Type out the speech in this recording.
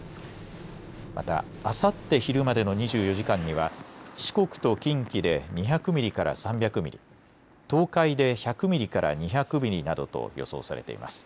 また、あさって昼までの２４時間には四国と近畿で２００ミリから３００ミリ、東海で１００ミリから２００ミリなどと予想されています。